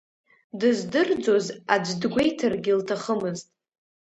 Дыздырӡоз аӡә дгәеиҭаргьы лҭахымызт.